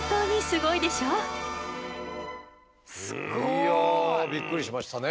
いやびっくりしましたね。